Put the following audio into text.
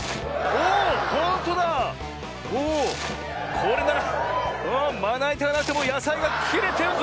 これならまないたがなくてもやさいがきれてるぜ！